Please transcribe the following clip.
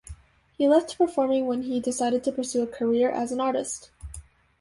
He left performing when he decided to pursue a career as an artist.